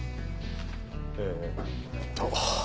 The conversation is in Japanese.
えーっと。